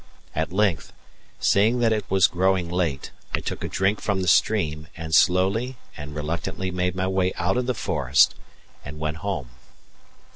At length, seeing that it was growing late, I took a drink from the stream and slowly and reluctantly made my way out of the forest and went home.